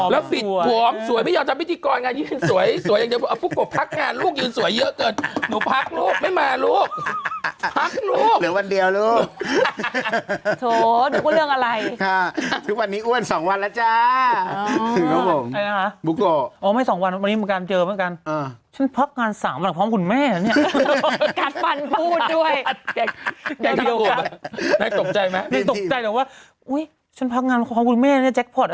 พอบุกโกะเลยนะพอบุกโกะพอบุกโกะพอบุกโกะพอบุกโกะพอบุกโกะพอบุกโกะพอบุกโกะพอบุกโกะพอบุกโกะพอบุกโกะพอบุกโกะพอบุกโกะพอบุกโกะพอบุกโกะพอบุกโกะพอบุกโกะพอบุกโกะพอบุกโกะพอบุกโกะพอบุกโกะพอบุกโกะพอบุกโกะพอบุกโกะพอบ